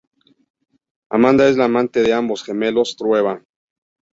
Amanda es la amante de ambos gemelos Trueba.